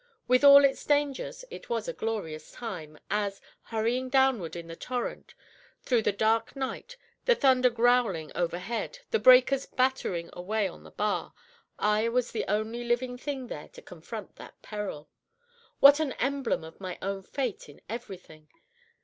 With all its dangers, it was a glorious time, as, hurrying downward in the torrent, through the dark night, the thunder growling overhead, the breakers battering away on the bar, I was the only living thing there to confront that peril! What an emblem of my own fate in everything!